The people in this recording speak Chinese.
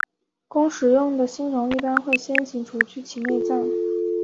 供食用的星虫一般会先行除去其内脏。